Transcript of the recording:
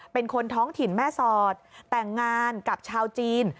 เป็นคนท้องถิ่นแม่สอดแต่งงานกับชาวจีน